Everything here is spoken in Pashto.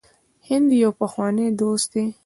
هند یو پخوانی دوست دی.